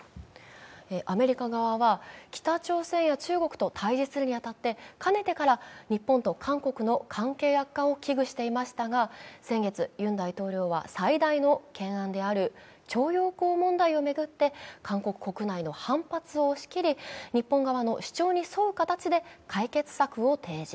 アメリカ側は、北朝鮮や中国と対峙するに当たってかねてから日本と韓国の関係悪化を危惧していましたが、先月、ユン大統領は最大の懸案である徴用工問題を巡って韓国国内の反発を押し切り日本側の主張に沿う形で解決策を提示。